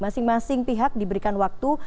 masing masing pihak diberikan waktu